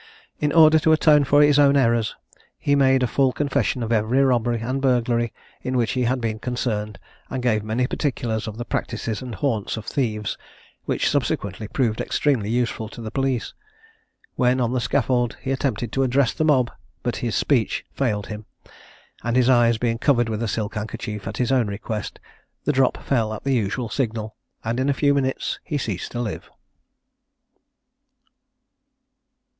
In order to atone for his own errors, he made a full confession of every robbery and burglary in which he had been concerned, and gave many particulars of the practices and haunts of thieves, which subsequently proved extremely useful to the police. When on the scaffold, he attempted to address the mob; but his speech failed him, and his eyes having been covered with a silk handkerchief at his own request, the drop fell at the usual signal, and in a few minutes he ceased to live.